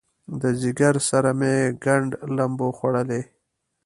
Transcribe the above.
د ځیګر سره مې ګنډ لمبو خوړلی